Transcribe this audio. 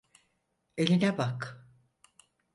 Eline bak.